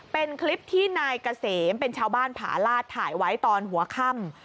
เป็นคลิปที่นายเกษมเป็นชาวบ้านผาลาดถ่ายไว้ตอนหัวค่ำ